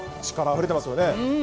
力あふれてますよね。